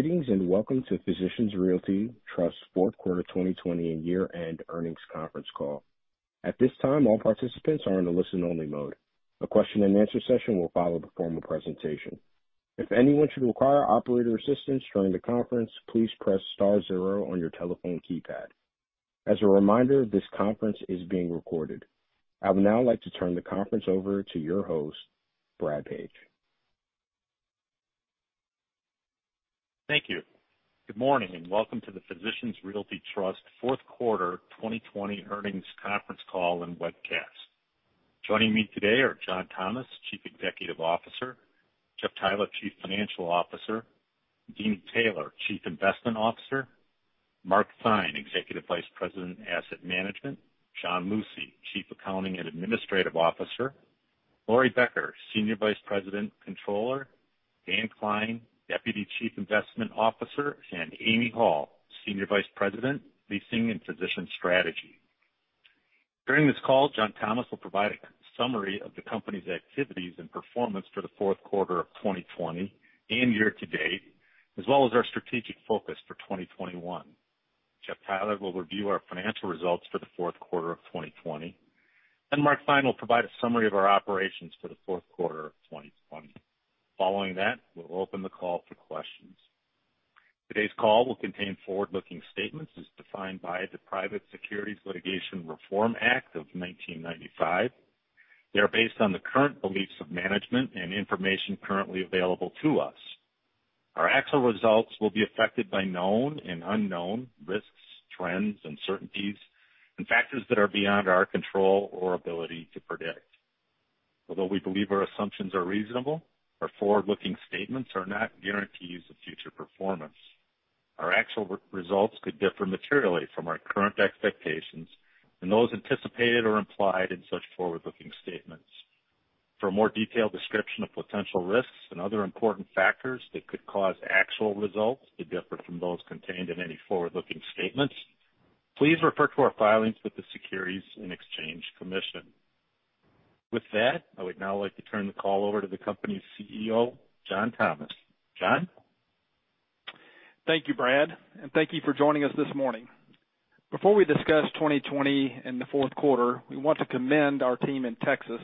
Greetings, welcome to Physicians Realty Trust fourth quarter 2020 year-end earnings conference call. At this time, all participants are in a listen-only mode. A question and answer session will follow the formal presentation. If anyone should require operator assistance during the conference, please press star zero on your telephone keypad. As a reminder, this conference is being recorded. I would now like to turn the conference over to your host, Brad Page. Thank you. Good morning, and welcome to the Physicians Realty Trust fourth quarter 2020 earnings conference call and webcast. Joining me today are John Thomas, Chief Executive Officer, Jeff Theiler, Chief Financial Officer, Deeni Taylor, Chief Investment Officer, Mark Theine, Executive Vice President, Asset Management, John Lucey, Chief Accounting and Administrative Officer, Laurie Becker, Senior Vice President, Controller, Dan Klein, Deputy Chief Investment Officer, and Amy Hall, Senior Vice President, Leasing and Physician Strategy. During this call, John Thomas will provide a summary of the company's activities and performance for the fourth quarter of 2020 and year to date, as well as our strategic focus for 2021. Jeff Theiler will review our financial results for the fourth quarter of 2020, then Mark Theine will provide a summary of our operations for the fourth quarter of 2020. Following that, we'll open the call for questions. Today's call will contain forward-looking statements as defined by the Private Securities Litigation Reform Act of 1995. They are based on the current beliefs of management and information currently available to us. Our actual results will be affected by known and unknown risks, trends, uncertainties, and factors that are beyond our control or ability to predict. Although we believe our assumptions are reasonable, our forward-looking statements are not guarantees of future performance. Our actual results could differ materially from our current expectations and those anticipated or implied in such forward-looking statements. For a more detailed description of potential risks and other important factors that could cause actual results to differ from those contained in any forward-looking statements, please refer to our filings with the Securities and Exchange Commission. With that, I would now like to turn the call over to the company's CEO, John Thomas. John? Thank you, Brad, and thank you for joining us this morning. Before we discuss 2020 and the fourth quarter, we want to commend our team in Texas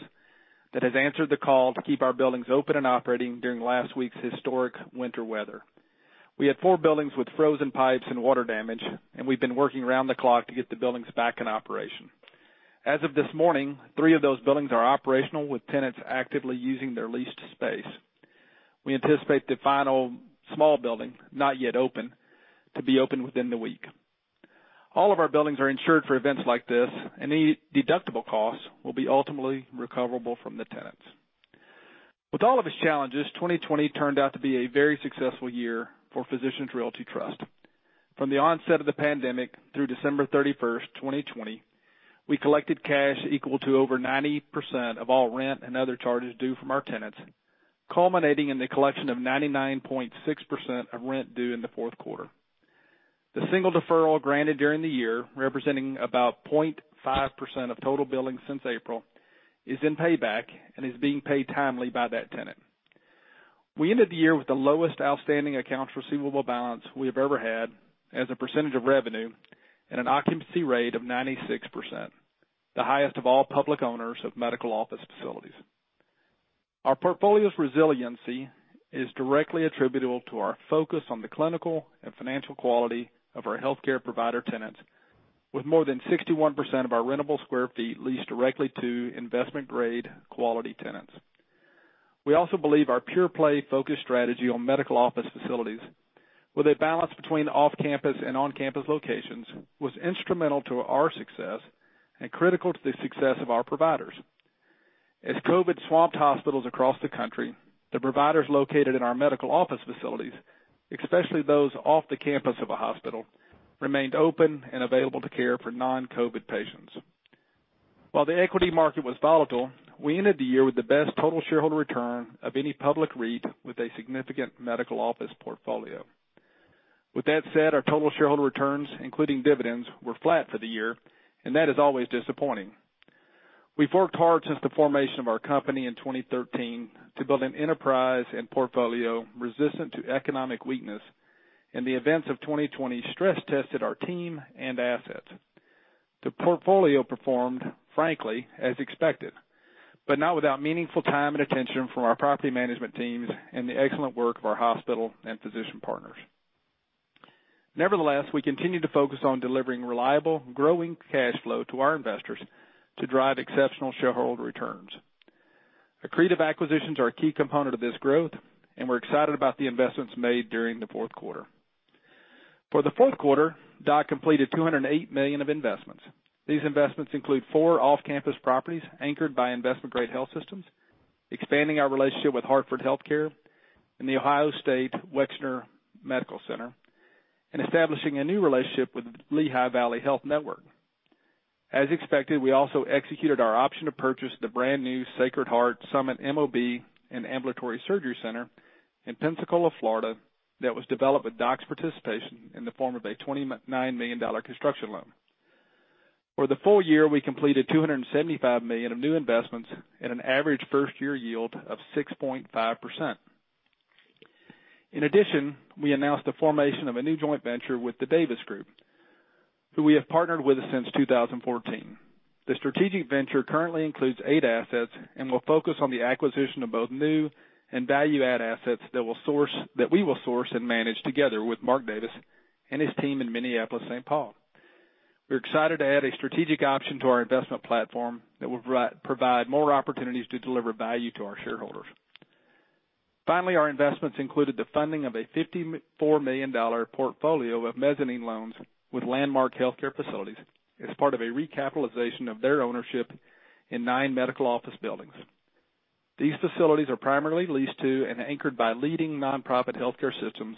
that has answered the call to keep our buildings open and operating during last week's historic winter weather. We had four buildings with frozen pipes and water damage, and we've been working around the clock to get the buildings back in operation. As of this morning, three of those buildings are operational, with tenants actively using their leased space. We anticipate the final small building, not yet open, to be open within the week. All of our buildings are insured for events like this. Any deductible costs will be ultimately recoverable from the tenants. With all of its challenges, 2020 turned out to be a very successful year for Physicians Realty Trust. From the onset of the pandemic through December 31st, 2020, we collected cash equal to over 90% of all rent and other charges due from our tenants, culminating in the collection of 99.6% of rent due in the fourth quarter. The single deferral granted during the year, representing about 0.5% of total billing since April, is in payback and is being paid timely by that tenant. We ended the year with the lowest outstanding accounts receivable balance we have ever had as a percentage of revenue and an occupancy rate of 96%, the highest of all public owners of medical office facilities. Our portfolio's resiliency is directly attributable to our focus on the clinical and financial quality of our healthcare provider tenants, with more than 61% of our rentable square feet leased directly to investment-grade quality tenants. We also believe our pure play focused strategy on medical office facilities, with a balance between off-campus and on-campus locations, was instrumental to our success and critical to the success of our providers. As COVID swamped hospitals across the country, the providers located in our medical office facilities, especially those off the campus of a hospital, remained open and available to care for non-COVID patients. While the equity market was volatile, we ended the year with the best total shareholder return of any public REIT with a significant medical office portfolio. With that said, our total shareholder returns, including dividends, were flat for the year, and that is always disappointing. We've worked hard since the formation of our company in 2013 to build an enterprise and portfolio resistant to economic weakness. The events of 2020 stress-tested our team and assets. The portfolio performed frankly as expected, but not without meaningful time and attention from our property management teams and the excellent work of our hospital and physician partners. Nevertheless, we continue to focus on delivering reliable, growing cash flow to our investors to drive exceptional shareholder returns. Accretive acquisitions are a key component of this growth, and we're excited about the investments made during the fourth quarter. For the fourth quarter, DOC completed $208 million of investments. These investments include four off-campus properties anchored by investment-grade health systems, expanding our relationship with Hartford HealthCare and the Ohio State Wexner Medical Center, and establishing a new relationship with Lehigh Valley Health Network. As expected, we also executed our option to purchase the brand-new Sacred Heart Summit MOB and Ambulatory Surgery Center in Pensacola, Florida, that was developed with DOC's participation in the form of a $29 million construction loan. For the full year, we completed $275 million of new investments and an average first-year yield of 6.5%. In addition, we announced the formation of a new joint venture with The Davis Group, who we have partnered with since 2014. The strategic venture currently includes eight assets and will focus on the acquisition of both new and value-add assets that we will source and manage together with Mark Davis and his team in Minneapolis, St. Paul. We're excited to add a strategic option to our investment platform that will provide more opportunities to deliver value to our shareholders. Finally, our investments included the funding of a $54 million portfolio of mezzanine loans with Landmark Healthcare Facilities as part of a recapitalization of their ownership in nine medical office buildings. These facilities are primarily leased to and anchored by leading non-profit healthcare systems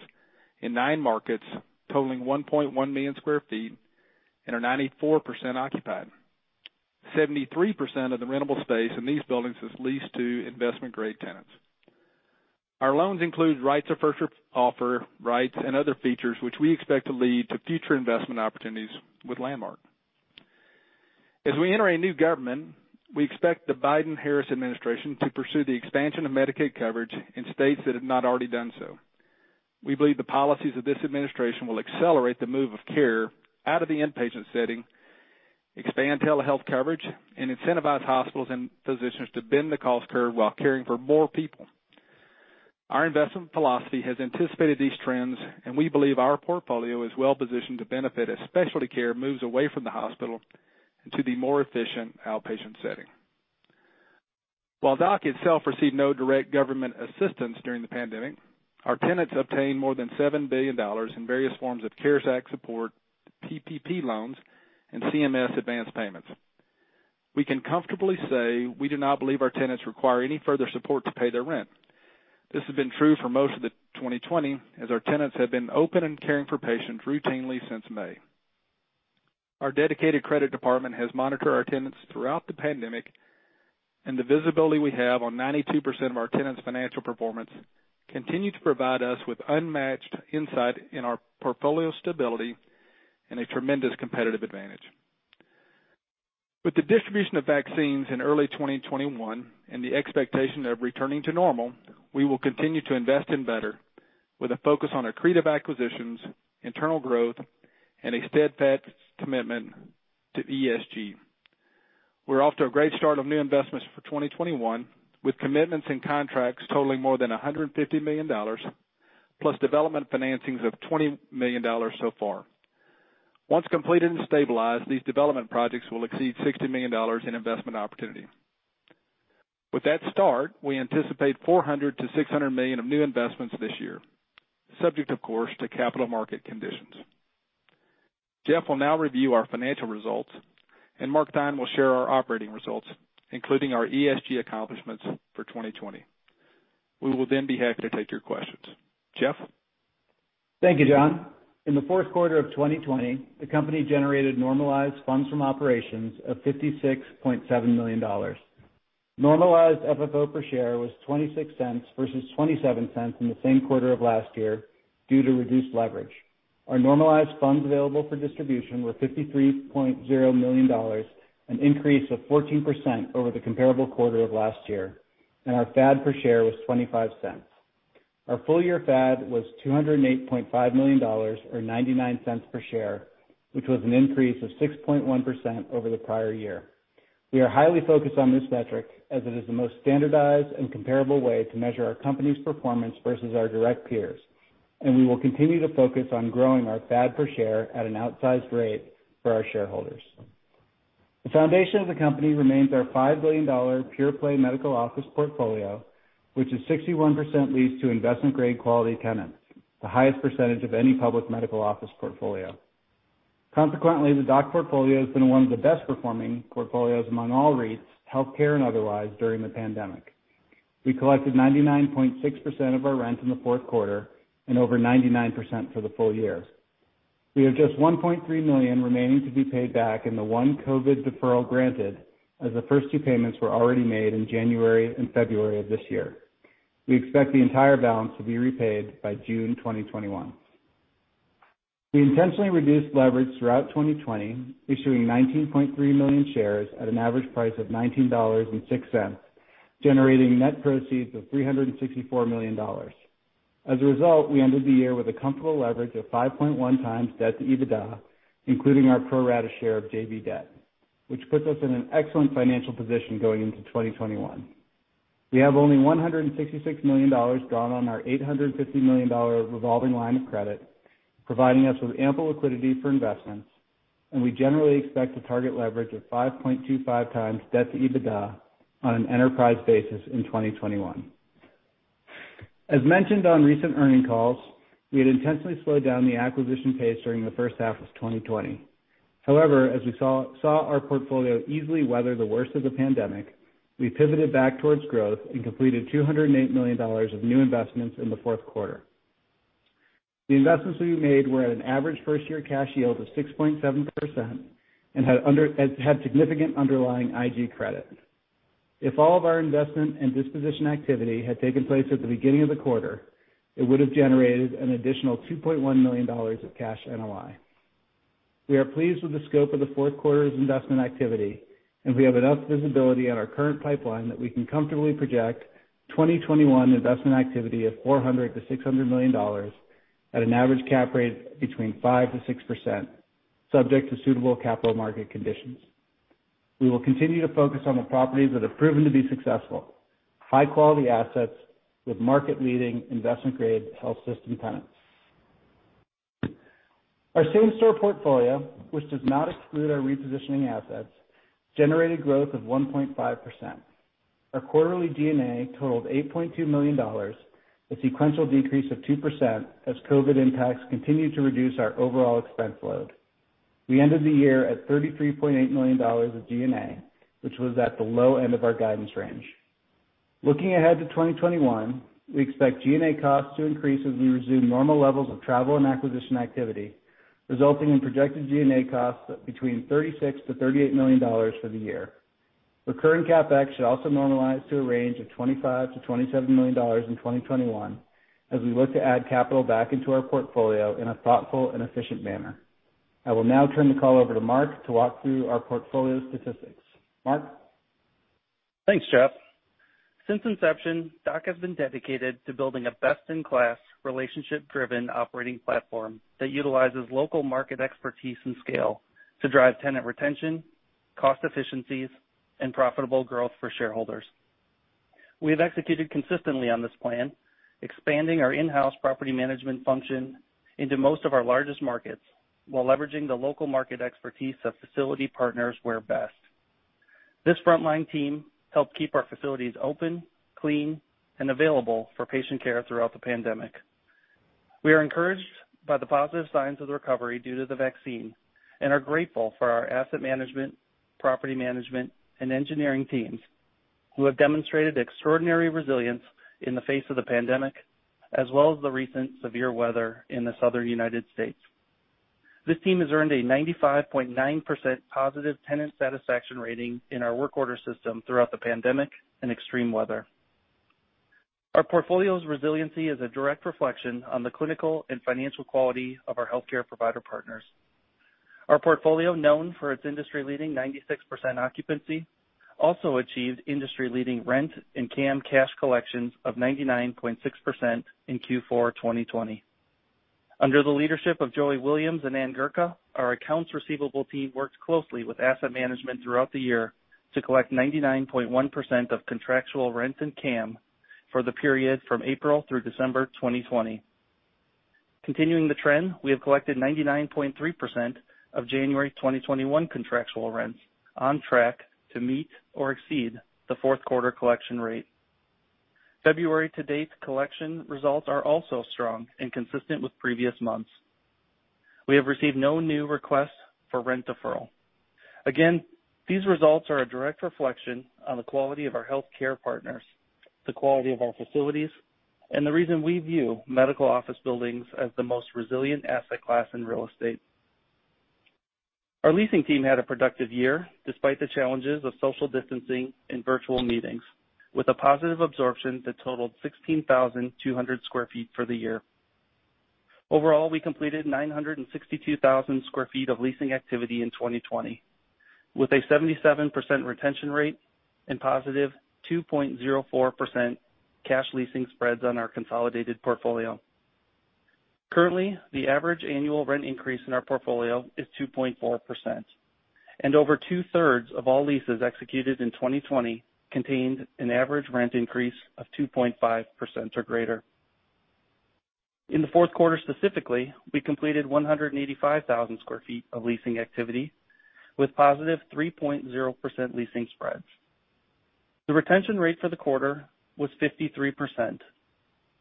in nine markets totaling 1.1 million square feet and are 94% occupied. 73% of the rentable space in these buildings is leased to investment-grade tenants. Our loans include right to first offer rights and other features which we expect to lead to future investment opportunities with Landmark. As we enter a new government, we expect the Biden-Harris administration to pursue the expansion of Medicaid coverage in states that have not already done so. We believe the policies of this administration will accelerate the move of care out of the inpatient setting, expand telehealth coverage, and incentivize hospitals and physicians to bend the cost curve while caring for more people. Our investment philosophy has anticipated these trends, and we believe our portfolio is well-positioned to benefit as specialty care moves away from the hospital into the more efficient outpatient setting. While DOC itself received no direct government assistance during the pandemic, our tenants obtained more than $7 billion in various forms of CARES Act support, PPP loans, and CMS advance payments. We can comfortably say we do not believe our tenants require any further support to pay their rent. This has been true for most of 2020, as our tenants have been open and caring for patients routinely since May. Our dedicated credit department has monitored our tenants throughout the pandemic, and the visibility we have on 92% of our tenants' financial performance continue to provide us with unmatched insight in our portfolio stability and a tremendous competitive advantage. With the distribution of vaccines in early 2021 and the expectation of returning to normal, we will continue to invest in better, with a focus on accretive acquisitions, internal growth, and a steadfast commitment to ESG. We're off to a great start on new investments for 2021, with commitments and contracts totaling more than $150 million, plus development financings of $20 million so far. Once completed and stabilized, these development projects will exceed $60 million in investment opportunity. With that start, we anticipate $400 million-$600 million of new investments this year, subject of course to capital market conditions. Jeff will now review our financial results, and Mark Theine will share our operating results, including our ESG accomplishments for 2020. We will then be happy to take your questions. Jeff? Thank you, John. In the fourth quarter of 2020, the company generated normalized funds from operations of $56.7 million. Normalized FFO per share was $0.26 versus $0.27 in the same quarter of last year due to reduced leverage. Our normalized funds available for distribution were $53.0 million, an increase of 14% over the comparable quarter of last year, and our FAD per share was $0.25. Our full-year FAD was $208.5 million, or $0.99 per share, which was an increase of 6.1% over the prior year. We are highly focused on this metric as it is the most standardized and comparable way to measure our company's performance versus our direct peers, and we will continue to focus on growing our FAD per share at an outsized rate for our shareholders. The foundation of the company remains our $5 billion pure-play medical office portfolio, which is 61% leased to investment-grade quality tenants, the highest percentage of any public medical office portfolio. Consequently, the DOC portfolio has been one of the best-performing portfolios among all REITs, healthcare and otherwise, during the pandemic. We collected 99.6% of our rent in the fourth quarter and over 99% for the full year. We have just $1.3 million remaining to be paid back in the one COVID deferral granted, as the first two payments were already made in January and February of this year. We expect the entire balance to be repaid by June 2021. We intentionally reduced leverage throughout 2020, issuing 19.3 million shares at an average price of $19.06, generating net proceeds of $364 million. As a result, we ended the year with a comfortable leverage of 5.1x debt to EBITDA, including our pro rata share of JV debt, which puts us in an excellent financial position going into 2021. We have only $166 million drawn on our $850 million revolving line of credit, providing us with ample liquidity for investments. We generally expect to target leverage of 5.25x debt to EBITDA on an enterprise basis in 2021. As mentioned on recent earning calls, we had intentionally slowed down the acquisition pace during the first half of 2020. However, as we saw our portfolio easily weather the worst of the pandemic, we pivoted back towards growth and completed $208 million of new investments in the fourth quarter. The investments we made were at an average first-year cash yield of 6.7% and had significant underlying IG credit. If all of our investment and disposition activity had taken place at the beginning of the quarter, it would have generated an additional $2.1 million of cash NOI. We are pleased with the scope of the fourth quarter's investment activity, and we have enough visibility on our current pipeline that we can comfortably project 2021 investment activity of $400 million-$600 million at an average cap rate between 5%-6%, subject to suitable capital market conditions. We will continue to focus on the properties that have proven to be successful, high-quality assets with market-leading investment-grade health system tenants. Our same-store portfolio, which does not exclude our repositioning assets, generated growth of 1.5%. Our quarterly G&A totaled $8.2 million, a sequential decrease of 2% as COVID impacts continued to reduce our overall expense load. We ended the year at $33.8 million of G&A, which was at the low end of our guidance range. Looking ahead to 2021, we expect G&A costs to increase as we resume normal levels of travel and acquisition activity, resulting in projected G&A costs between $36 million-$38 million for the year. Recurring CapEx should also normalize to a range of $25 million-$27 million in 2021 as we look to add capital back into our portfolio in a thoughtful and efficient manner. I will now turn the call over to Mark to walk through our portfolio statistics. Mark? Thanks, Jeff. Since inception, DOC has been dedicated to building a best-in-class, relationship-driven operating platform that utilizes local market expertise and scale to drive tenant retention, cost efficiencies, and profitable growth for shareholders. We have executed consistently on this plan, expanding our in-house property management function into most of our largest markets while leveraging the local market expertise of facility partners where best. This frontline team helped keep our facilities open, clean, and available for patient care throughout the pandemic. We are encouraged by the positive signs of the recovery due to the vaccine and are grateful for our asset management, property management, and engineering teams, who have demonstrated extraordinary resilience in the face of the pandemic, as well as the recent severe weather in the Southern U.S. This team has earned a 95.9% positive tenant satisfaction rating in our work order system throughout the pandemic and extreme weather. Our portfolio's resiliency is a direct reflection on the clinical and financial quality of our healthcare provider partners. Our portfolio, known for its industry-leading 96% occupancy, also achieved industry-leading rent and CAM cash collections of 99.6% in Q4 2020. Under the leadership of Joey Williams and Ann Gurka, our accounts receivable team worked closely with asset management throughout the year to collect 99.1% of contractual rent and CAM for the period from April through December 2020. Continuing the trend, we have collected 99.3% of January 2021 contractual rents, on track to meet or exceed the fourth quarter collection rate. February to date collection results are also strong and consistent with previous months. We have received no new requests for rent deferral. Again, these results are a direct reflection on the quality of our healthcare partners, the quality of our facilities, and the reason we view medical office buildings as the most resilient asset class in real estate. Our leasing team had a productive year despite the challenges of social distancing and virtual meetings, with a positive absorption that totaled 16,200 sq ft for the year. Overall, we completed 962,000 sq ft of leasing activity in 2020, with a 77% retention rate and positive 2.04% cash leasing spreads on our consolidated portfolio. Currently, the average annual rent increase in our portfolio is 2.4%, and over 2/3 of all leases executed in 2020 contained an average rent increase of 2.5% or greater. In the fourth quarter specifically, we completed 185,000 sq ft of leasing activity with positive 3.0% leasing spreads. The retention rate for the quarter was 53%,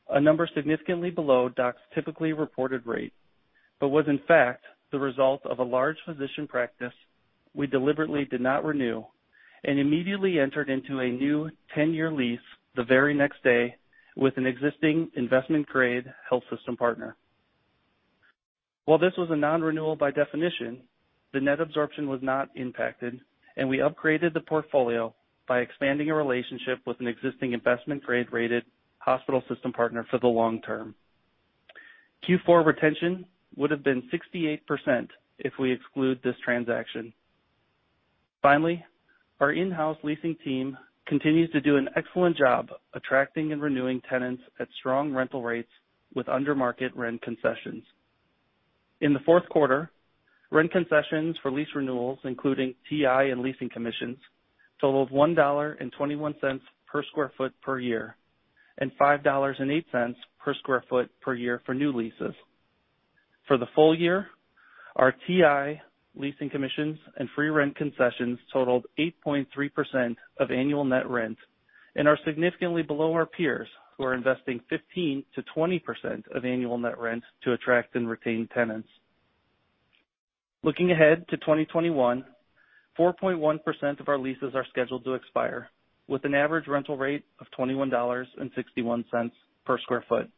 a number significantly below DOC's typically reported rate, but was in fact the result of a large physician practice we deliberately did not renew and immediately entered into a new 10-year lease the very next day with an existing investment-grade health system partner. While this was a non-renewal by definition, the net absorption was not impacted, and we upgraded the portfolio by expanding a relationship with an existing investment grade-rated hospital system partner for the long term. Q4 retention would have been 68% if we exclude this transaction. Our in-house leasing team continues to do an excellent job attracting and renewing tenants at strong rental rates with under-market rent concessions. In the fourth quarter, rent concessions for lease renewals, including TI and leasing commissions, totaled $1.21 per square foot per year, and $5.08 per square foot per year for new leases. For the full year, our TI, leasing commissions, and free rent concessions totaled 8.3% of annual net rent and are significantly below our peers, who are investing 15%-20% of annual net rent to attract and retain tenants. Looking ahead to 2021, 4.1% of our leases are scheduled to expire, with an average rental rate of $21.61 per square foot.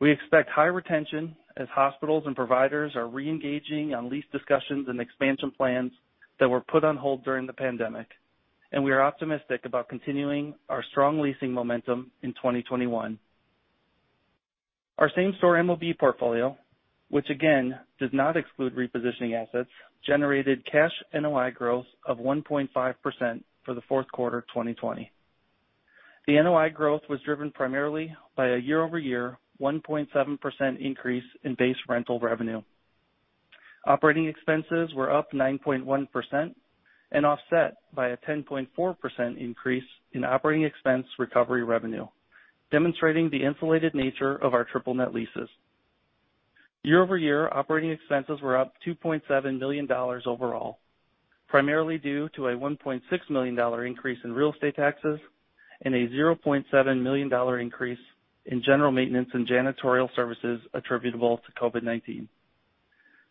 We expect high retention as hospitals and providers are re-engaging on lease discussions and expansion plans that were put on hold during the pandemic, and we are optimistic about continuing our strong leasing momentum in 2021. Our same-store MOB portfolio, which again, does not exclude repositioning assets, generated cash NOI growth of 1.5% for the fourth quarter 2020. The NOI growth was driven primarily by a year-over-year 1.7% increase in base rental revenue. Operating expenses were up 9.1% and offset by a 10.4% increase in operating expense recovery revenue, demonstrating the insulated nature of our triple net leases. Year-over-year operating expenses were up $2.7 million overall, primarily due to a $1.6 million increase in real estate taxes and a $0.7 million increase in general maintenance and janitorial services attributable to COVID-19.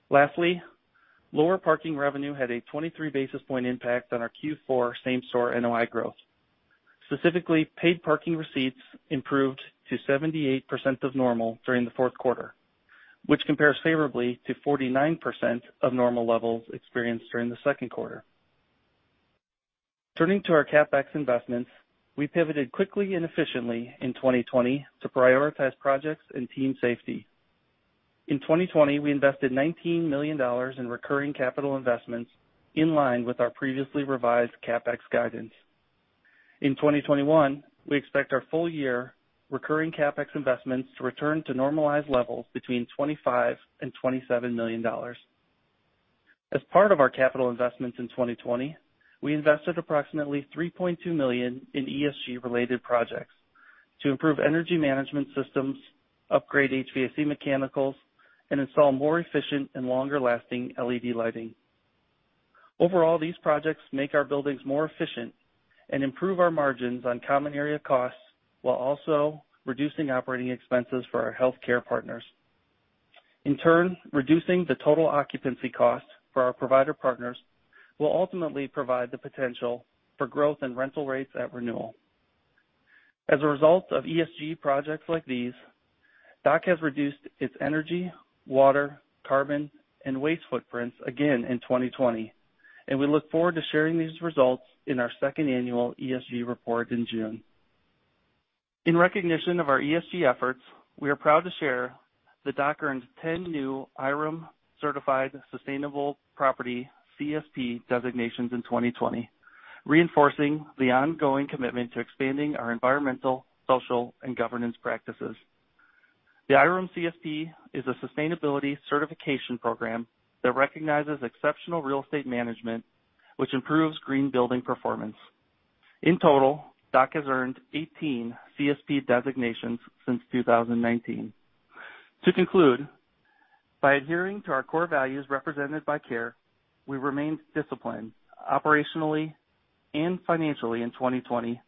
Lastly, lower parking revenue had a 23 basis point impact on our Q4 same-store NOI growth. Specifically, paid parking receipts improved to 78% of normal during the fourth quarter, which compares favorably to 49% of normal levels experienced during the second quarter. Turning to our CapEx investments, we pivoted quickly and efficiently in 2020 to prioritize projects and team safety. In 2020, we invested $19 million in recurring capital investments in line with our previously revised CapEx guidance. In 2021, we expect our full year recurring CapEx investments to return to normalized levels between $25 million and $27 million. As part of our capital investments in 2020, we invested approximately $3.2 million in ESG related projects to improve energy management systems, upgrade HVAC mechanicals, and install more efficient and longer lasting LED lighting. Overall, these projects make our buildings more efficient and improve our margins on common area costs while also reducing operating expenses for our healthcare partners. In turn, reducing the total occupancy cost for our provider partners will ultimately provide the potential for growth in rental rates at renewal. As a result of ESG projects like these, DOC has reduced its energy, water, carbon, and waste footprints again in 2020, and we look forward to sharing these results in our second annual ESG report in June. In recognition of our ESG efforts, we are proud to share that DOC earned 10 new IREM Certified Sustainable Property, CSP, designations in 2020, reinforcing the ongoing commitment to expanding our environmental, social, and governance practices. The IREM CSP is a sustainability certification program that recognizes exceptional real estate management, which improves green building performance. In total, DOC has earned 18 CSP designations since 2019. To conclude, by adhering to our core values represented by care, we remained disciplined operationally and financially in 2020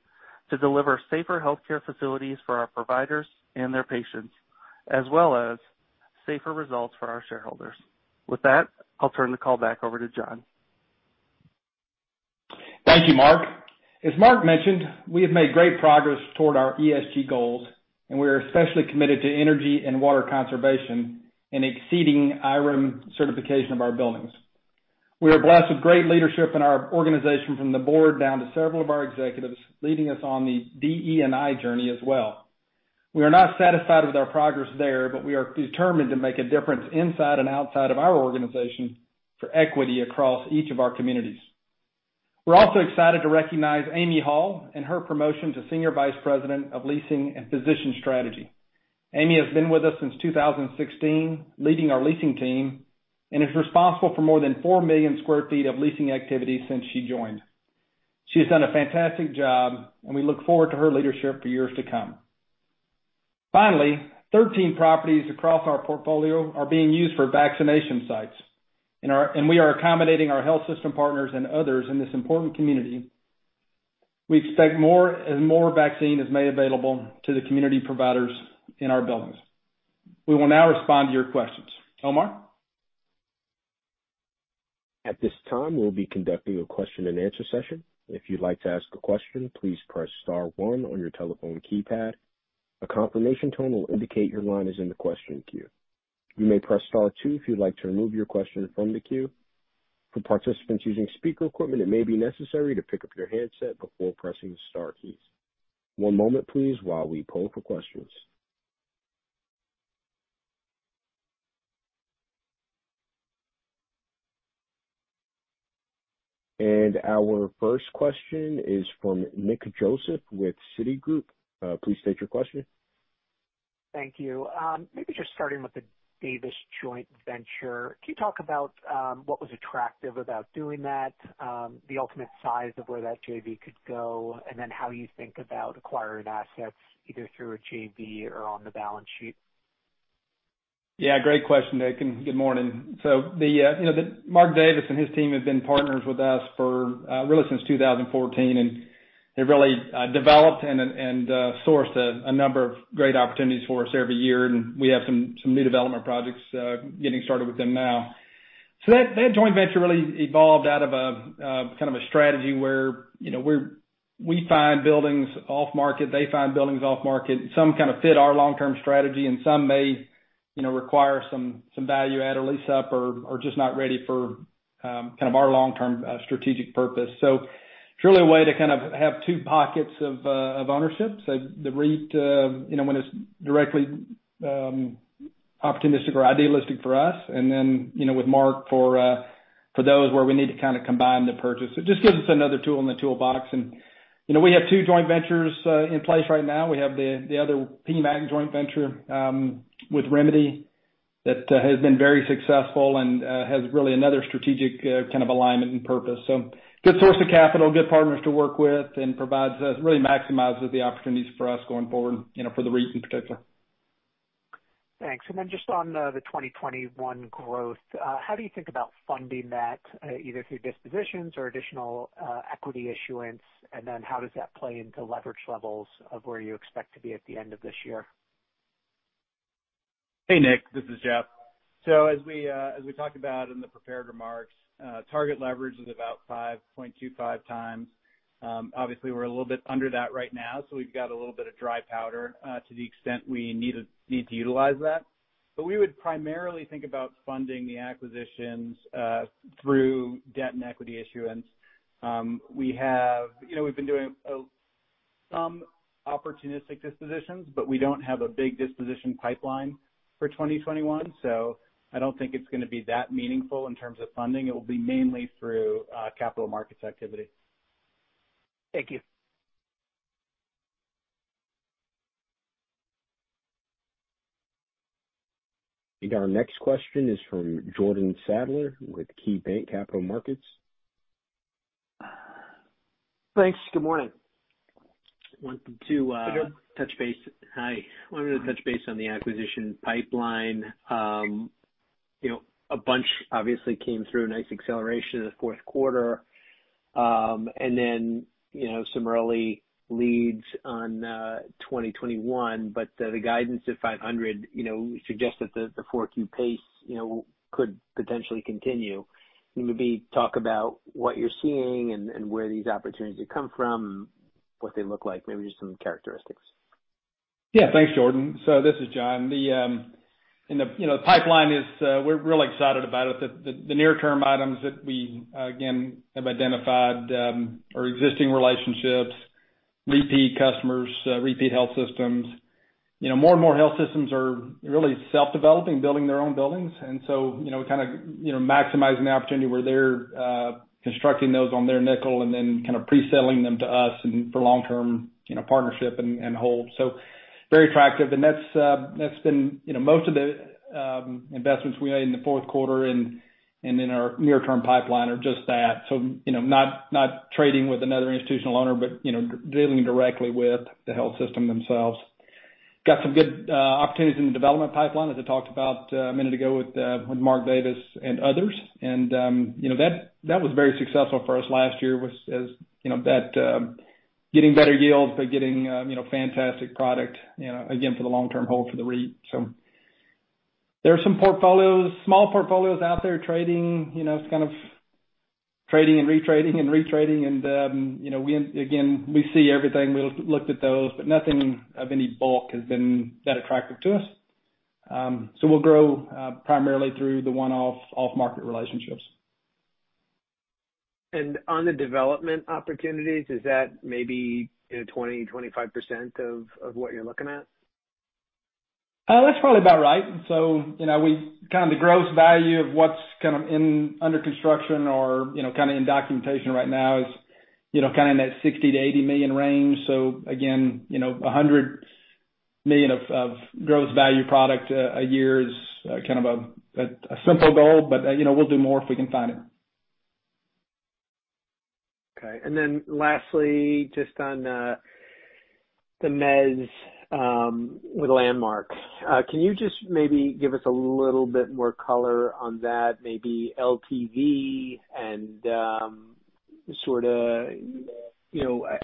to deliver safer healthcare facilities for our providers and their patients, as well as safer results for our shareholders. With that, I'll turn the call back over to John. Thank you, Mark. As Mark mentioned, we have made great progress toward our ESG goals, and we are especially committed to energy and water conservation in exceeding IREM certification of our buildings. We are blessed with great leadership in our organization from the board down to several of our executives leading us on the DE&I journey as well. We are not satisfied with our progress there, but we are determined to make a difference inside and outside of our organization for equity across each of our communities. We are also excited to recognize Amy Hall and her promotion to Senior Vice President of Leasing and Physician Strategy. Amy has been with us since 2016, leading our leasing team, and is responsible for more than 4 million square feet of leasing activity since she joined. She has done a fantastic job, and we look forward to her leadership for years to come. Finally 13 properties across our portfolio are being used for vaccination sites, and we are accommodating our health system partners and others in this important community. We expect more and more vaccine is made available to the community providers in our buildings. We will now respond to your questions. Omar. At this time, we'll be conducting a question and answer session. If you'd like to ask a question, please press star one on your telephone keypad. A confirmation tone will indicate your line is in the question queue. You may press star two if you'd like to remove your question from the queue. For participants using speaker equipment, it may be necessary to pick up your handset before pressing the star keys. One moment, please, while we poll for questions. Our first question is from Nick Joseph with Citigroup. Please state your question. Thank you. Maybe just starting with the Davis joint venture. Can you talk about what was attractive about doing that, the ultimate size of where that JV could go, and then how you think about acquiring assets either through a JV or on the balance sheet? Great question, Nick, and good morning. Mark Davis and his team have been partners with us for, really since 2014, and they've really developed and sourced a number of great opportunities for us every year, and we have some new development projects getting started with them now. That joint venture really evolved out of a kind of a strategy where we find buildings off-market, they find buildings off-market, and some kind of fit our long-term strategy, and some may require some value add or lease up or are just not ready for our long-term strategic purpose. It's really a way to kind of have two pockets of ownership. The REIT, when it's directly opportunistic or idealistic for us, and then, with Mark for those where we need to kind of combine the purchase. It just gives us another tool in the toolbox. We have two joint ventures in place right now. We have the other PMAG joint venture with Remedy that has been very successful and has really another strategic kind of alignment and purpose. Good source of capital, good partners to work with, and really maximizes the opportunities for us going forward, for the REIT in particular. Thanks. Just on the 2021 growth, how do you think about funding that, either through dispositions or additional equity issuance? How does that play into leverage levels of where you expect to be at the end of this year? Hey, Nick, this is Jeff. As we talked about in the prepared remarks, target leverage is about 5.25x. Obviously, we're a little bit under that right now, we've got a little bit of dry powder, to the extent we need to utilize that. We would primarily think about funding the acquisitions through debt and equity issuance. We've been doing some opportunistic dispositions, we don't have a big disposition pipeline for 2021, I don't think it's going to be that meaningful in terms of funding. It will be mainly through capital markets activity. Thank you. I think our next question is from Jordan Sadler with KeyBanc Capital Markets. Thanks. Good morning. Good morning. Hi. Wanted to touch base on the acquisition pipeline. A bunch obviously came through, nice acceleration in the fourth quarter. Some early leads on 2021. The guidance of $500 million suggests that the 4Q pace could potentially continue. Can you maybe talk about what you're seeing and where these opportunities have come from, what they look like? Maybe just some characteristics. Yeah. Thanks, Jordan. This is John. The pipeline is, we're really excited about it. The near-term items that we, again, have identified are existing relationships, repeat customers, repeat health systems. More and more health systems are really self-developing, building their own buildings. We're kind of maximizing the opportunity where they're constructing those on their nickel and then kind of pre-selling them to us for long-term partnership and hold. Very attractive. Most of the investments we made in the fourth quarter and in our near-term pipeline are just that. Not trading with another institutional owner, but dealing directly with the health system themselves. Got some good opportunities in the development pipeline, as I talked about a minute ago with Mark Davis and others. That was very successful for us last year, getting better yields but getting fantastic product, again, for the long-term hold for the REIT. There are some portfolios, small portfolios out there trading. It's kind of trading and re-trading and, again, we see everything. We looked at those, but nothing of any bulk has been that attractive to us. We'll grow primarily through the one-off, off-market relationships. On the development opportunities, is that maybe 20%-25% of what you're looking at? That's probably about right. The gross value of what's under construction or in documentation right now is in that $60 million-$80 million range. Again, $100 million of gross value product a year is kind of a simple goal, but we'll do more if we can find it. Okay. Lastly, just on the mezz with Landmark. Can you just maybe give us a little bit more color on that, maybe LTV and sort of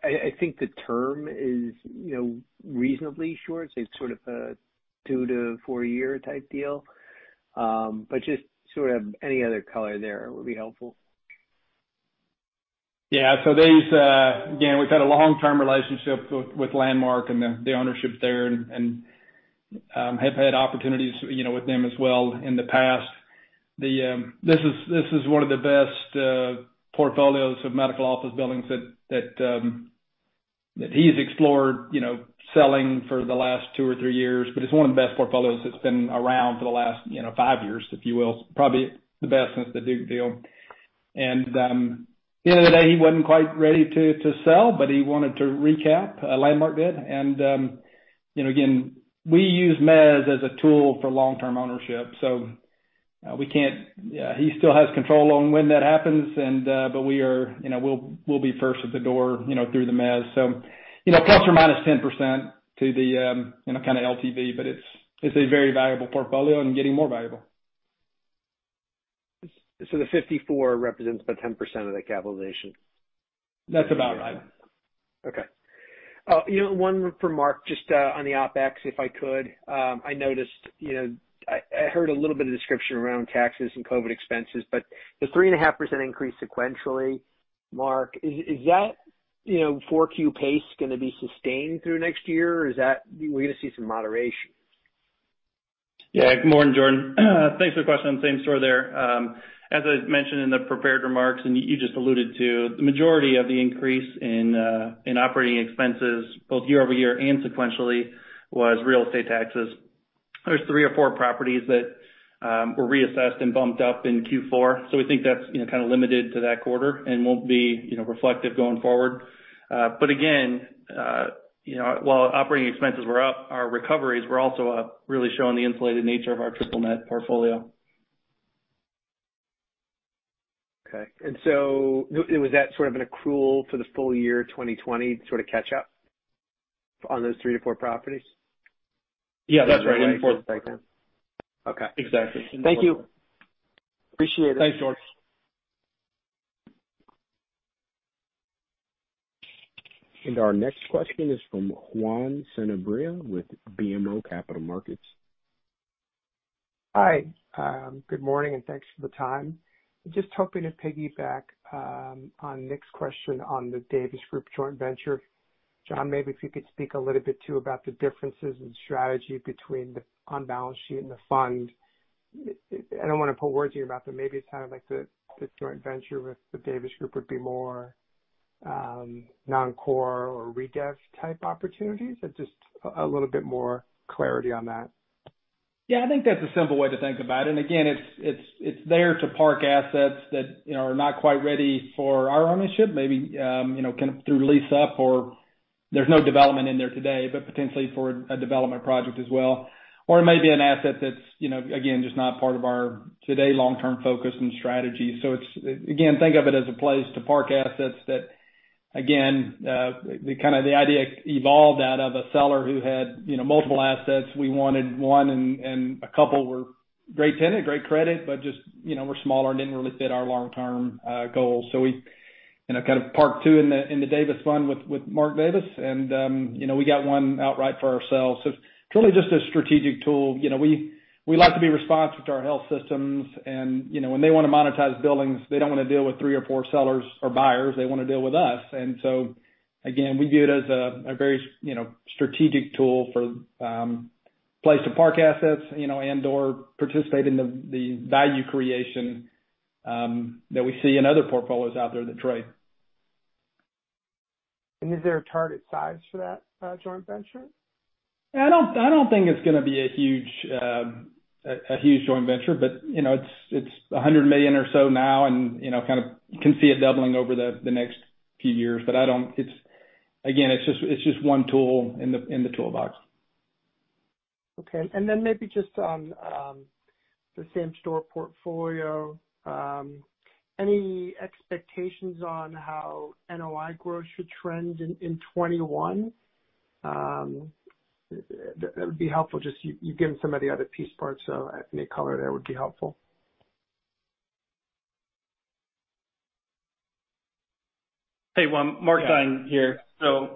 I think the term is reasonably short, so sort of a two-to-four-year type deal. Just sort of any other color there would be helpful. Yeah. These, again, we've had a long-term relationship with Landmark and the ownership there and have had opportunities with them as well in the past. This is one of the best portfolios of medical office buildings that he's explored selling for the last two or three years. It's one of the best portfolios that's been around for the last five years, if you will. Probably the best since the Duke deal. The end of the day, he wasn't quite ready to sell, but he wanted to recap, Landmark did. Again, we use mezz as a tool for long-term ownership. He still has control on when that happens, but we'll be first at the door through the mezz. Plus or minus 10% to the kind of LTV, but it's a very valuable portfolio and getting more valuable. The $54 represents about 10% of the capitalization? That's about right. Okay. One for Mark, just on the OpEx, if I could. I heard a little bit of description around taxes and COVID expenses, but the 3.5% increase sequentially, Mark, is that 4Q pace going to be sustained through next year, or are we going to see some moderation? Good morning, Jordan. Thanks for the question. Same story there. As I mentioned in the prepared remarks, and you just alluded to, the majority of the increase in operating expenses, both year-over-year and sequentially, was real estate taxes. There's three or four properties that were reassessed and bumped up in Q4. We think that's kind of limited to that quarter and won't be reflective going forward. Again, while operating expenses were up, our recoveries were also up, really showing the insulated nature of our triple net portfolio. Okay. Was that sort of an accrual for the full year 2020 sort of catch up on those three to four properties? Yeah, that's right. Okay. Exactly. Thank you. Appreciate it. Thanks, Jordan. Our next question is from Juan Sanabria with BMO Capital Markets. Hi. Good morning, and thanks for the time. Just hoping to piggyback on Nick's question on The Davis Group joint venture. John, maybe if you could speak a little bit too about the differences in strategy between the on-balance sheet and the fund. I don't want to put words in your mouth, but maybe it's kind of like the joint venture with The Davis Group would be more non-core or re-dev type opportunities. Just a little bit more clarity on that. Yeah, I think that's a simple way to think about it. Again, it's there to park assets that are not quite ready for our ownership. Maybe, kind of through lease-up or there's no development in there today, but potentially for a development project as well. It may be an asset that's, again, just not part of our today long-term focus and strategy. Again, think of it as a place to park assets that, again, the idea evolved out of a seller who had multiple assets. We wanted one and a couple were great tenant, great credit, but just were smaller and didn't really fit our long-term goals. We kind of parked two in the Davis fund with Mark Davis, and we got one outright for ourselves. It's really just a strategic tool. We like to be responsive to our health systems, and when they want to monetize buildings, they don't want to deal with three or four sellers or buyers. They want to deal with us. Again, we view it as a very strategic tool for a place to park assets, and/or participate in the value creation that we see in other portfolios out there that trade. Is there a target size for that joint venture? I don't think it's going to be a huge joint venture, but it's $100 million or so now, and kind of can see it doubling over the next few years. Again, it's just one tool in the toolbox. Okay. Maybe just on the same-store portfolio. Any expectations on how NOI growth should trend in 2021? That would be helpful. Just you've given some of the other piece parts, any color there would be helpful. Hey, Juan. Mark Theine here. Let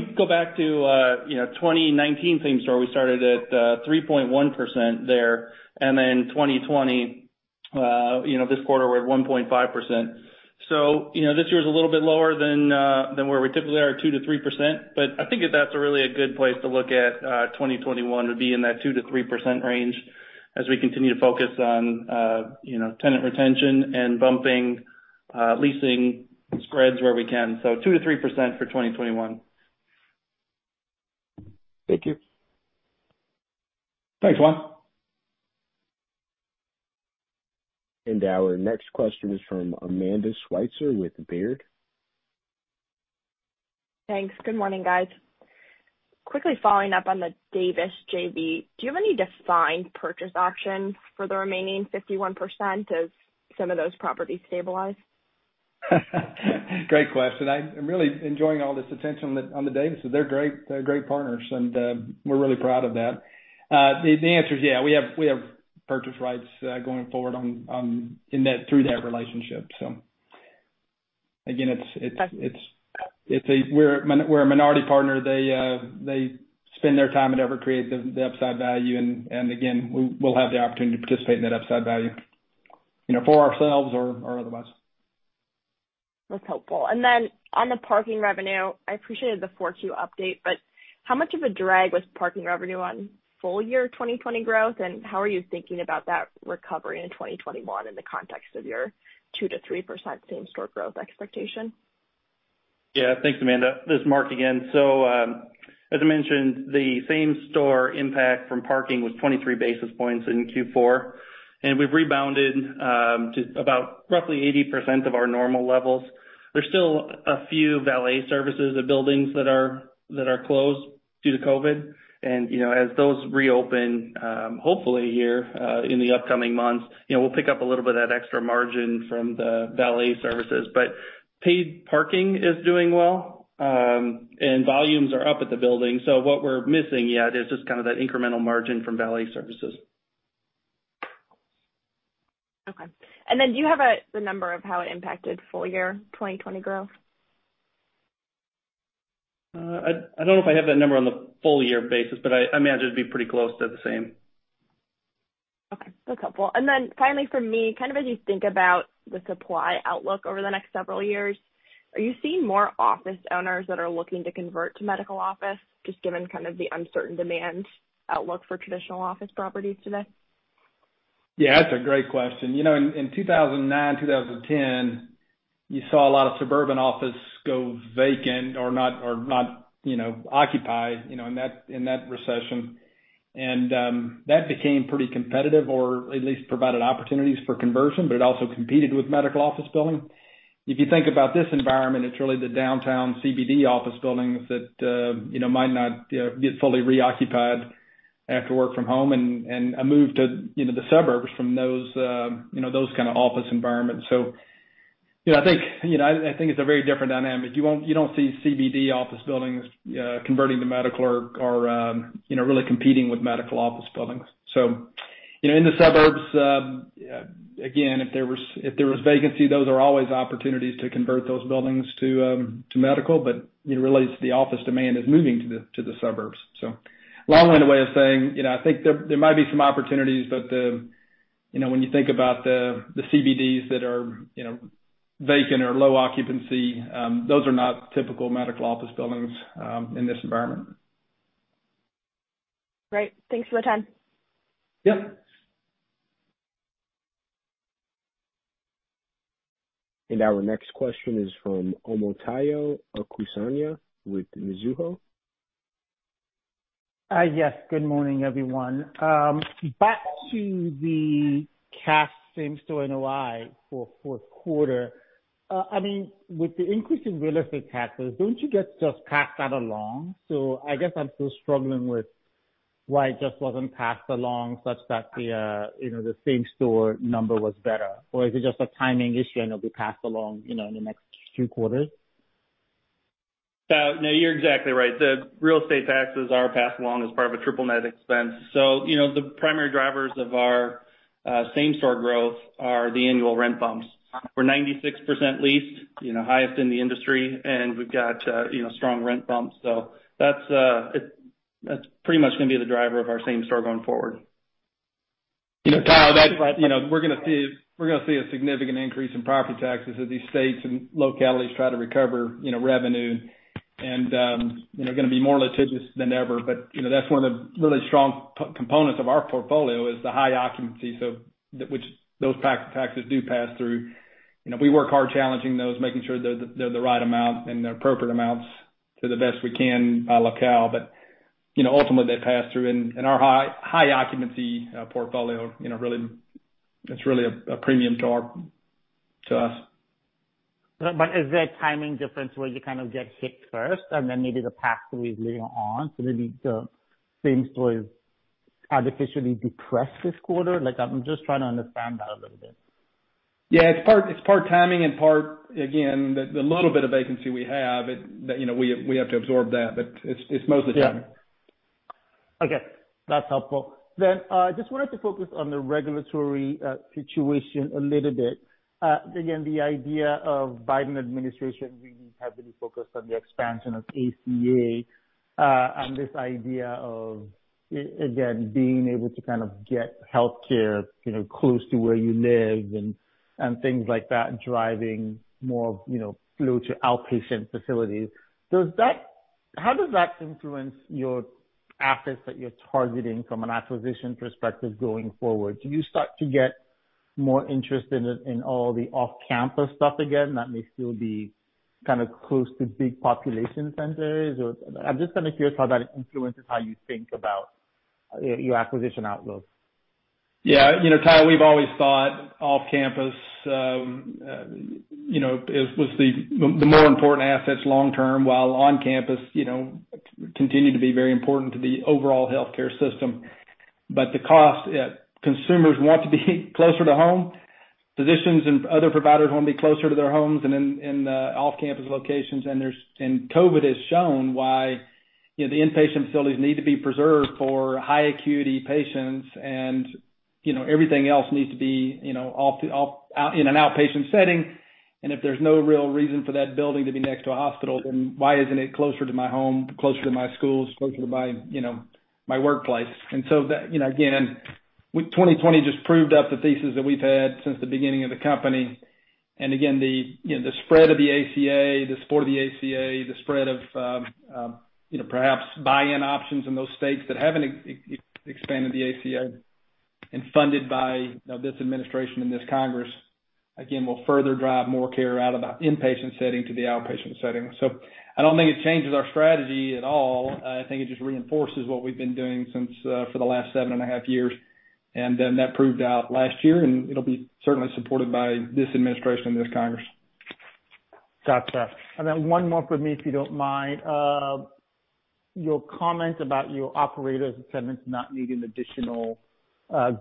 me go back to 2019 same-store. We started at 3.1% there, and then 2020, this quarter, we're at 1.5%. This year is a little bit lower than where we typically are, 2%-3%, I think that that's really a good place to look at 2021, would be in that 2%-3% range as we continue to focus on tenant retention and bumping leasing spreads where we can, 2%-3% for 2021. Thank you. Thanks, Juan. Our next question is from Amanda Sweitzer with Baird. Thanks. Good morning, guys. Quickly following up on the Davis JV. Do you have any defined purchase options for the remaining 51% as some of those properties stabilize? Great question. I'm really enjoying all this attention on the Davis. They're great partners, and we're really proud of that. The answer is yeah, we have purchase rights going forward through that relationship. Again, we're a minority partner. They spend their time and effort creating the upside value. Again, we'll have the opportunity to participate in that upside value, for ourselves or otherwise. That's helpful. On the parking revenue, I appreciated the 4Q update, but how much of a drag was parking revenue on full year 2020 growth, and how are you thinking about that recovery in 2021 in the context of your 2%-3% same-store growth expectation? Yeah. Thanks, Amanda. This is Mark again. As I mentioned, the same-store impact from parking was 23 basis points in Q4, and we've rebounded to about roughly 80% of our normal levels. There's still a few valet services at buildings that are closed due to COVID, and as those reopen, hopefully here in the upcoming months, we'll pick up a little bit of that extra margin from the valet services. Paid parking is doing well, and volumes are up at the buildings. What we're missing yet is just kind of that incremental margin from valet services. Okay. Do you have the number of how it impacted full year 2020 growth? I don't know if I have that number on the full year basis, but I imagine it'd be pretty close to the same. Okay. That's helpful. Then finally from me, kind of as you think about the supply outlook over the next several years, are you seeing more office owners that are looking to convert to medical office, just given kind of the uncertain demand outlook for traditional office properties today? Yeah, that's a great question. In 2009, 2010, you saw a lot of suburban office go vacant or not occupied, in that recession. That became pretty competitive or at least provided opportunities for conversion, but it also competed with medical office building. If you think about this environment, it's really the downtown CBD office buildings that might not get fully reoccupied after work from home and a move to the suburbs from those kind of office environments. I think it's a very different dynamic. You don't see CBD office buildings converting to medical or really competing with medical office buildings. In the suburbs, again, if there was vacancy, those are always opportunities to convert those buildings to medical. Really, the office demand is moving to the suburbs. Long-winded way of saying, I think there might be some opportunities, but when you think about the CBDs that are vacant or low occupancy, those are not typical medical office buildings in this environment. Great. Thanks for the time. Yep. Our next question is from Omotayo Okusanya with Mizuho. Yes. Good morning, everyone. Back to the cash same-store NOI for fourth quarter. With the increase in real estate taxes, don't you get just passed that along? I guess I'm still struggling with why it just wasn't passed along such that the same-store number was better. Is it just a timing issue and it'll be passed along in the next few quarters? No, you're exactly right. The real estate taxes are passed along as part of a triple net expense. The primary drivers of our same-store growth are the annual rent bumps. We're 96% leased, highest in the industry, and we've got strong rent bumps. That's pretty much going to be the driver of our same-store going forward. You know, Tayo, we're going to see a significant increase in property taxes as these states and localities try to recover revenue and going to be more litigious than ever. That's one of the really strong components of our portfolio, is the high occupancy, which those taxes do pass through. We work hard challenging those, making sure they're the right amount and the appropriate amounts to the best we can by locale. Ultimately, they pass through and our high occupancy portfolio, it's really a premium to us. Is there a timing difference where you kind of get hit first and then maybe the pass through is later on, so maybe the same story artificially depressed this quarter? I'm just trying to understand that a little bit. Yeah, it's part timing and part, again, the little bit of vacancy we have, that we have to absorb that, but it's mostly timing. Yeah. Okay. That's helpful. Just wanted to focus on the regulatory situation a little bit. Again, the idea of Biden administration really heavily focused on the expansion of ACA, and this idea of, again, being able to kind of get healthcare close to where you live and things like that, driving more flow to outpatient facilities. How does that influence your assets that you're targeting from an acquisition perspective going forward? Do you start to get more interested in all the off-campus stuff again, that may still be kind of close to big population centers? I'm just kind of curious how that influences how you think about your acquisition outlook. Yeah. You know, Tayo, we've always thought off-campus was the more important assets long term, while on-campus continue to be very important to the overall healthcare system. The cost, consumers want to be closer to home. Physicians and other providers want to be closer to their homes and in off-campus locations. COVID has shown why the inpatient facilities need to be preserved for high acuity patients and everything else needs to be in an outpatient setting. If there's no real reason for that building to be next to a hospital, then why isn't it closer to my home, closer to my schools, closer to my workplace? Again, 2020 just proved up the thesis that we've had since the beginning of the company. Again, the spread of the ACA, the support of the ACA, the spread of perhaps buy-in options in those states that haven't expanded the ACA, and funded by this administration and this Congress, again, will further drive more care out of the inpatient setting to the outpatient setting. I don't think it changes our strategy at all. I think it just reinforces what we've been doing for the last seven and a half years. That proved out last year, and it'll be certainly supported by this administration and this Congress. Gotcha. One more from me, if you don't mind. Your comment about your operators and tenants not needing additional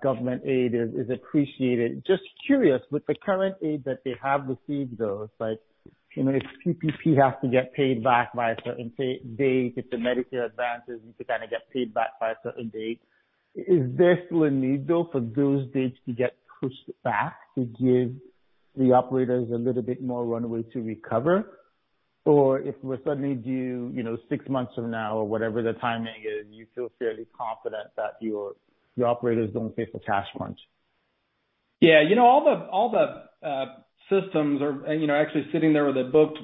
government aid is appreciated. Curious, with the current aid that they have received, though, like if PPP has to get paid back by a certain date, if the Medicare advances need to kind of get paid back by a certain date, is there still a need, though, for those dates to get pushed back to give the operators a little bit more runway to recover? If we're suddenly due six months from now or whatever the timing is, you feel fairly confident that your operators don't face a cash crunch? Yeah. All the systems are actually sitting there with a booked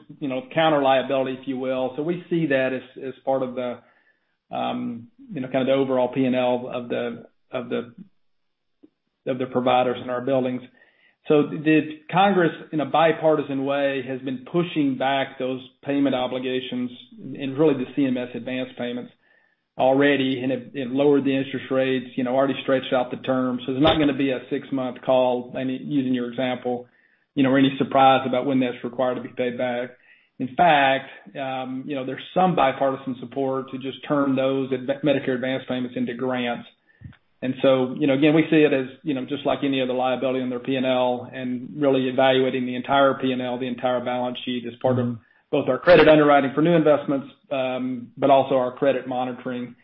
counter liability, if you will. We see that as part of the overall P&L of the providers in our buildings. The Congress, in a bipartisan way, has been pushing back those payment obligations and really the CMS advance payments already, and it lowered the interest rates, already stretched out the terms. There's not going to be a six-month call, using your example, or any surprise about when that's required to be paid back. In fact, there's some bipartisan support to just turn those Medicare advance payments into grants. Again, we see it as just like any other liability on their P&L and really evaluating the entire P&L, the entire balance sheet as part of both our credit underwriting for new investments, but also our credit monitoring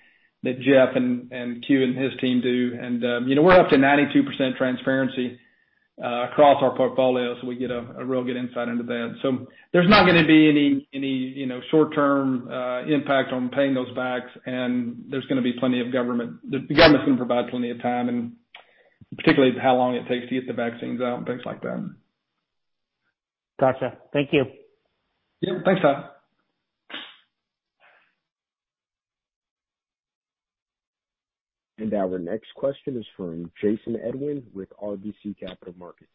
that Jeff and his team do. We're up to 92% transparency across our portfolio, so we get a real good insight into that. There's not going to be any short-term impact on paying those backs, and there's going to be plenty of government. The government's going to provide plenty of time, and particularly how long it takes to get the vaccines out and things like that. Got you. Thank you. Yeah. Thanks, Tayo. Our next question is from Jason Edwin with RBC Capital Markets.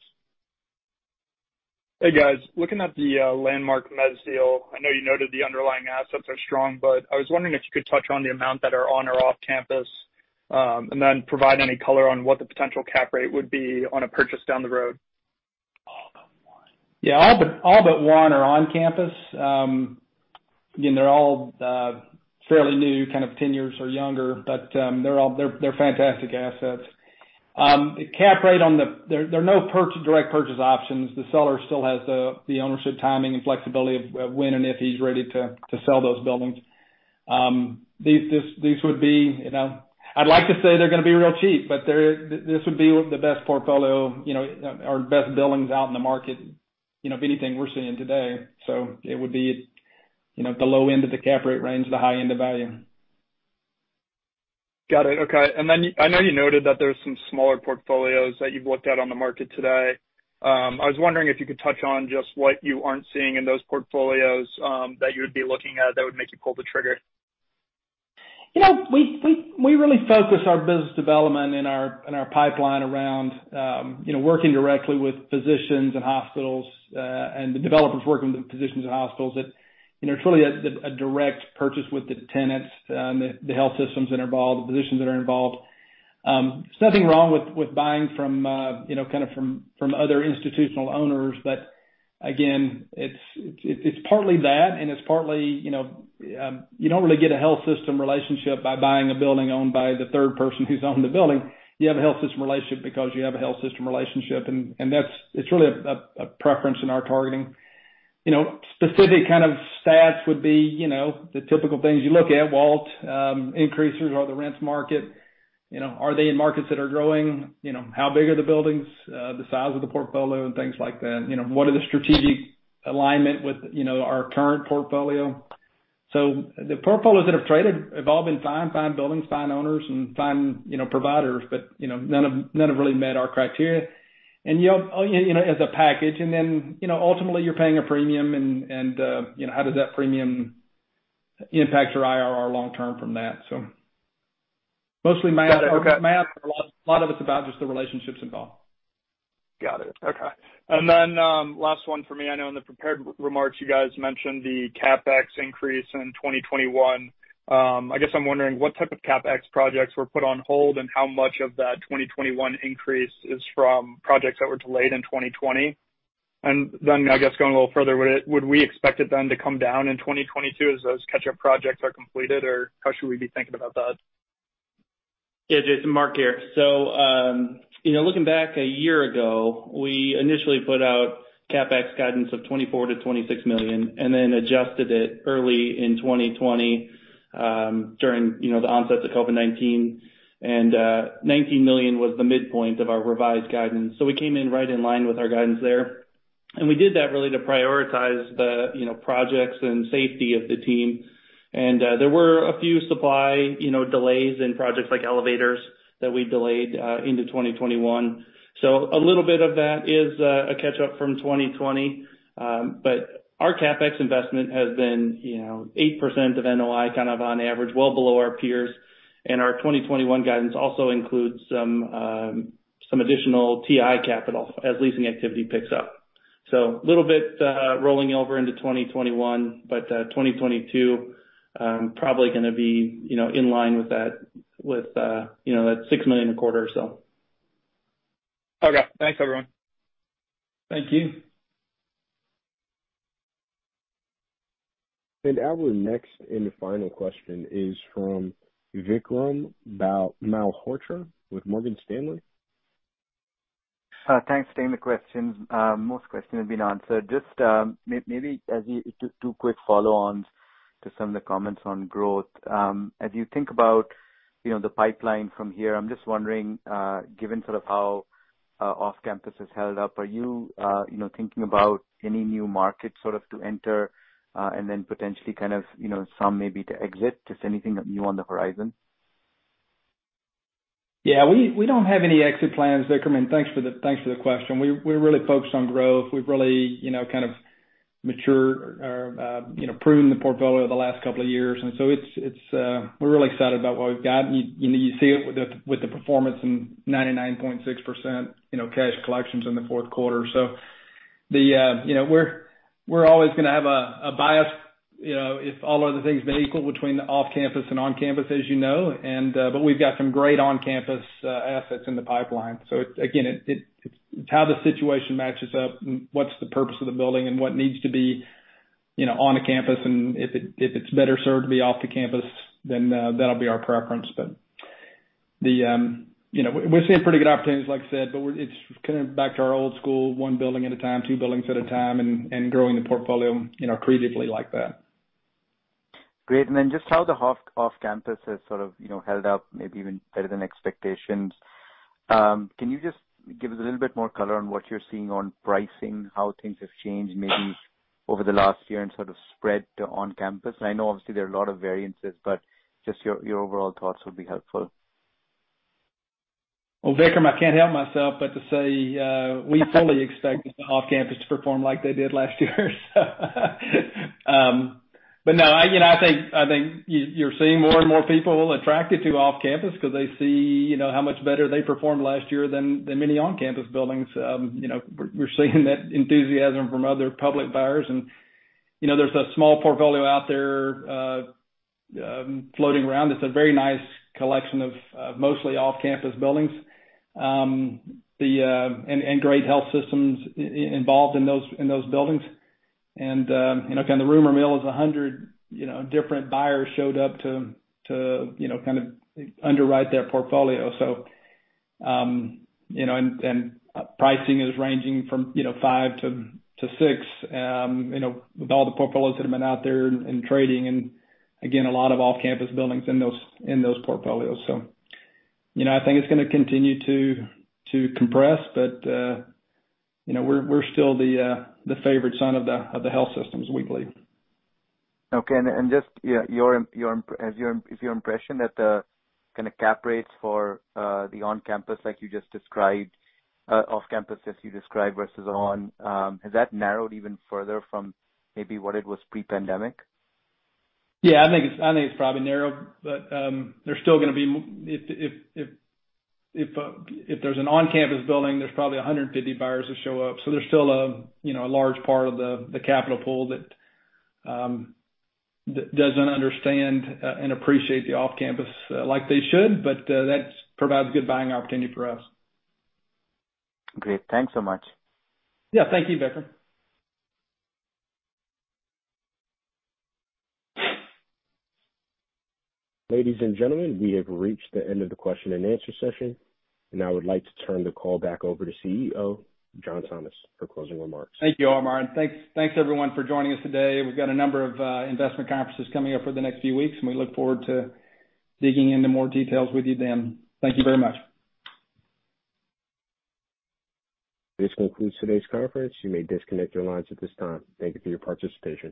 Hey, guys. Looking at the Landmark mezz deal, I know you noted the underlying assets are strong, but I was wondering if you could touch on the amount that are on or off campus, and then provide any color on what the potential cap rate would be on a purchase down the road. All but one are on campus. They're all fairly new, kind of 10 years or younger, they're fantastic assets. There are no direct purchase options. The seller still has the ownership timing and flexibility of when and if he's ready to sell those buildings. I'd like to say they're going to be real cheap, this would be the best portfolio, our best buildings out in the market, of anything we're seeing today. It would be at the low end of the cap rate range, the high end of value. Got it. Okay. I know you noted that there's some smaller portfolios that you've looked at on the market today. I was wondering if you could touch on just what you aren't seeing in those portfolios, that you would be looking at that would make you pull the trigger. We really focus our business development and our pipeline around working directly with physicians and hospitals, and the developers working with physicians and hospitals that truly a direct purchase with the tenants, the health systems that are involved, the physicians that are involved. There's nothing wrong with buying from other institutional owners. Again, it's partly that, and it's partly you don't really get a health system relationship by buying a building owned by the third person who's owning the building. You have a health system relationship because you have a health system relationship, it's really a preference in our targeting. Specific kind of stats would be the typical things you look at, WALT, increases. Are the rents market? Are they in markets that are growing? How big are the buildings, the size of the portfolio, things like that. What are the strategic alignment with our current portfolio? The portfolios that have traded have all been fine buildings, fine owners, and fine providers, but none have really met our criteria as a package. Ultimately, you're paying a premium, and how does that premium impact your IRR long term from that? Mostly math. Okay. A lot of it's about just the relationships involved. Got it. Okay. Last one for me. I know in the prepared remarks, you guys mentioned the CapEx increase in 2021. I guess I'm wondering what type of CapEx projects were put on hold and how much of that 2021 increase is from projects that were delayed in 2020? I guess going a little further, would we expect it then to come down in 2022 as those catch-up projects are completed? How should we be thinking about that? Yeah, Jason, Mark here. Looking back a year ago, we initially put out CapEx guidance of $24 million-$26 million and then adjusted it early in 2020, during the onset of COVID-19. $19 million was the midpoint of our revised guidance. We came in right in line with our guidance there. We did that really to prioritize the projects and safety of the team. There were a few supply delays in projects like elevators that we delayed into 2021. A little bit of that is a catch-up from 2020. Our CapEx investment has been 8% of NOI, kind of on average, well below our peers. Our 2021 guidance also includes some additional TI capital as leasing activity picks up. A little bit rolling over into 2021, but 2022 probably going to be in line with that $6 million a quarter or so. Okay. Thanks, everyone. Thank you. Our next and final question is from Vikram Malhotra with Morgan Stanley. Thanks for taking the questions. Most questions have been answered. Just maybe two quick follow-ons to some of the comments on growth. As you think about the pipeline from here, I'm just wondering, given sort of how off-campus has held up, are you thinking about any new markets sort of to enter, and then potentially kind of some maybe to exit? Just anything new on the horizon? We don't have any exit plans, Vikram. Thanks for the question. We're really focused on growth. We've really kind of matured or pruned the portfolio the last couple of years. We're really excited about what we've got. You see it with the performance in 99.6% cash collections in the fourth quarter. We're always going to have a bias, if all other things being equal between the off-campus and on-campus, as you know. We've got some great on-campus assets in the pipeline. Again, it's how the situation matches up and what's the purpose of the building and what needs to be on a campus. If it's better served to be off the campus, that'll be our preference. We're seeing pretty good opportunities, like I said, but it's kind of back to our old school, one building at a time, two buildings at a time, and growing the portfolio accretively like that. Great. Just how the off-campus has sort of held up, maybe even better than expectations. Can you just give us a little bit more color on what you're seeing on pricing, how things have changed maybe over the last year and sort of spread to on-campus? I know obviously there are a lot of variances, but just your overall thoughts would be helpful. Vikram, I can't help myself but to say, we fully expected the off-campus to perform like they did last year. No, I think you're seeing more and more people attracted to off-campus because they see how much better they performed last year than the many on-campus buildings. We're seeing that enthusiasm from other public buyers, there's a small portfolio out there floating around. It's a very nice collection of mostly off-campus buildings, great health systems involved in those buildings. Again, the rumor mill is 100 different buyers showed up to kind of underwrite that portfolio. Pricing is ranging from five to six with all the portfolios that have been out there and trading, again, a lot of off-campus buildings in those portfolios. I think it's going to continue to compress, but we're still the favorite son of the health systems, we believe. Okay. Just is your impression that the kind of cap rates for the on-campus like you just described, off-campus as you described versus on, has that narrowed even further from maybe what it was pre-pandemic? Yeah, I think it's probably narrowed. There's still going to be If there's an on-campus building, there's probably 150 buyers that show up. There's still a large part of the capital pool that doesn't understand and appreciate the off-campus like they should. That provides a good buying opportunity for us. Great. Thanks so much. Yeah. Thank you, Vikram. Ladies and gentlemen, we have reached the end of the question and answer session, and I would like to turn the call back over to CEO, John Thomas, for closing remarks. Thank you, Omar. Thanks everyone for joining us today. We've got a number of investment conferences coming up over the next few weeks, and we look forward to digging into more details with you then. Thank you very much. This concludes today's conference. You may disconnect your lines at this time. Thank you for your participation.